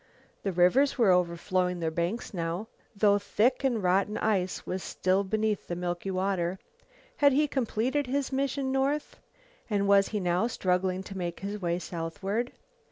The rivers were overflowing their banks now, though thick and rotten ice was still beneath the milky water. Had he completed his mission north, and was he now struggling to make his way southward?